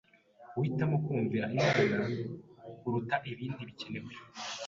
guhitamo kumvira Imana kuruta ibindi bikenewe